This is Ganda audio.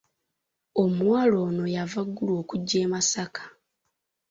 Omuwala ono yava Gulu okujja e Masaka.